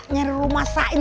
ngeri rumah sakit